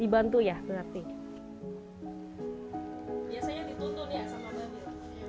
dibantu ya berarti